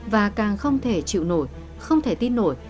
và càng không thể chịu nổi không thể tin nổi